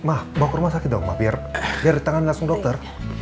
mah mau ke rumah sakit dong biar di tangan langsung dokter